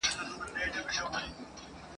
له ځالۍ سره نیژدې پورته یو غار وو !.